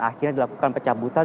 akhirnya dilakukan pecah butang